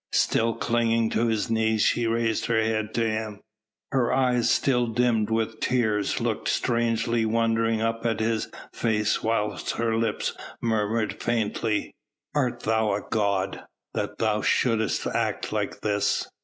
Still clinging to his knees she raised her head to him; her eyes still dimmed with tears looked strangely wondering up at his face whilst her lips murmured faintly: "Art thou a god, that thou shouldst act like this?"